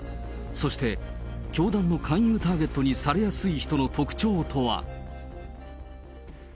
そして、教団の勧誘ターゲットにされやすい人の特徴とは。